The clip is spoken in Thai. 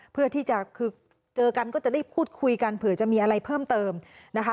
เพื่อที่จะคือเจอกันก็จะได้พูดคุยกันเผื่อจะมีอะไรเพิ่มเติมนะคะ